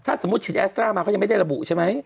ถ้าสมมุติฉีดแอสตรามาเขายังไม่ได้ระบุใช่ไหม